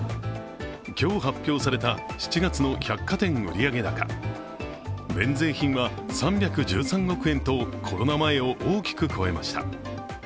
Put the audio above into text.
今日発表された７月の百貨店売上高、免税品は３１３億円とコロナ前を大きく超えました。